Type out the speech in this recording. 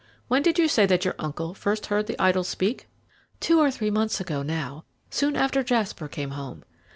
When did you say that your uncle first heard the idol speak?" "Two or three months ago now, soon after Jasper came home. Mr.